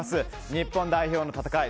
日本代表の戦い